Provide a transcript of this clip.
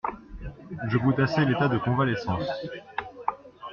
Je goûte assez l'état de convalescence.